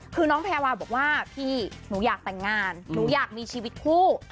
คือน้องแพรวาบอกว่าพี่หนูอยากแต่งงานหนูอยากมีชีวิตคู่